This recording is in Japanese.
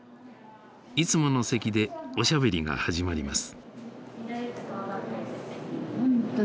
いつもの席でおしゃべりが始まります。